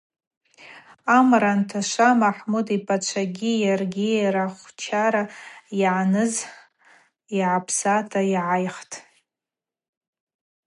Амара анташва Махӏмуд йпачвагьи йаргьи рахвхчара йъаныз йгӏапсата йгӏайхтӏ.